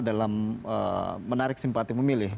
dalam menarik simpati pemilih